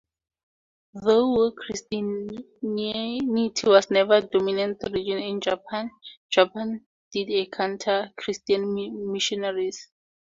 Though Christianity was never a dominant religion in Japan, Japan did encounter Christian missionaries.